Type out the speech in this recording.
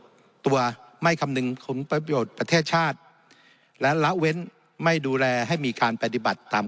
ตัวไม่คำนึงคุณประโยชน์ประเทศชาติและละเว้นไม่ดูแลให้มีการปฏิบัติตาม